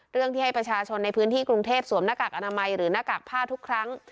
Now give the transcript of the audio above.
เรื่องที่ให้ประชาชนในพื้นที่กรุงเทพสวมหน้ากากอนามัยหรือหน้ากากผ้าทุกครั้ง